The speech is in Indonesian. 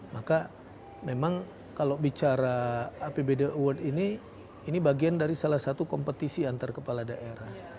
maka memang kalau bicara apbd award ini ini bagian dari salah satu kompetisi antar kepala daerah